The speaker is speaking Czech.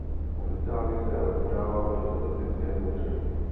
Oficiálně se ale udává verze tropické bouře.